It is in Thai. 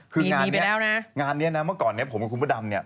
คืองานนี้นะเมื่อก่อนผมกับคุณพระดำเนี่ย